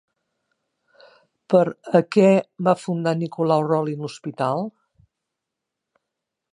Per a què va fundar Nicolau Rolin l'hospital?